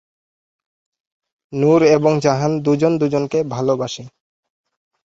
নূর এবং জাহান দুইজন দুজনকে ভালোবাসে।